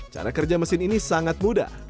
cara kerja mesin ini sangat mudah